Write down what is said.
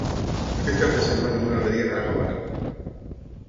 Aquest cap de setmana m'agradaria anar a Gavarda.